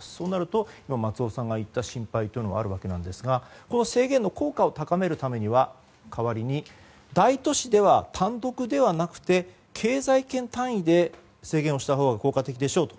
そうなると、松尾さんが言った心配があるわけですが制限の効果を高めるためには代わりに、大都市では単独ではなく、経済圏単位で制限をしたほうが効果的でしょうと。